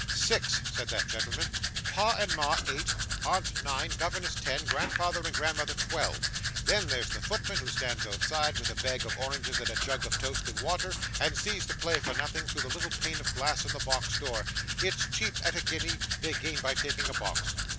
'Six,' said that gentleman; 'pa and ma eight, aunt nine, governess ten, grandfather and grandmother twelve. Then, there's the footman, who stands outside, with a bag of oranges and a jug of toast and water, and sees the play for nothing through the little pane of glass in the box door it's cheap at a guinea; they gain by taking a box.